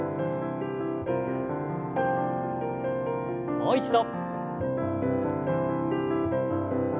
もう一度。